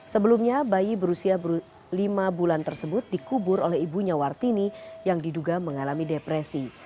sebelumnya bayi berusia lima bulan tersebut dikubur oleh ibunya wartini yang diduga mengalami depresi